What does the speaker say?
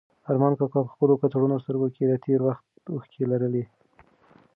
ارمان کاکا په خپلو کڅوړنو سترګو کې د تېر وخت اوښکې لرلې.